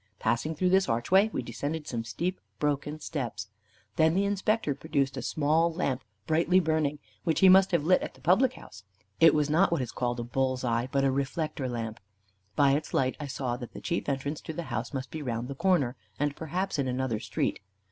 Passing through this archway, we descended some steep and broken steps. Then the Inspector produced a small lamp brightly burning, which he must have lit at the public house. It was not what is called a bull's eye, but a reflector lamp. By its light I saw that the chief entrance to the house must be round the corner, and perhaps in another street.